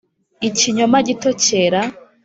ikinyoma gito cyera